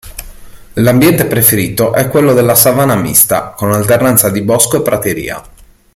L'ambiente preferito è quello della savana mista, con alternanza di bosco e prateria.